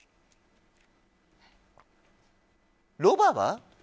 ロバは？